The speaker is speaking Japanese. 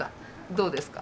どうですか？